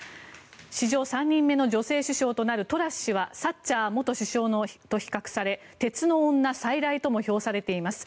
史上３人目の女性首相となるトラス氏はサッチャー元首相と比較され鉄の女再来とも評されています。